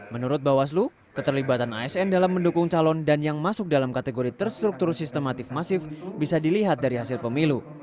menurut bawaslu keterlibatan asn dalam mendukung calon dan yang masuk dalam kategori terstruktur sistematif masif bisa dilihat dari hasil pemilu